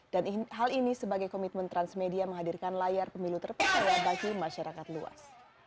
hal ini sebagai komitmen transmedia menghadirkan layar pemilu terpercaya bagi masyarakat luas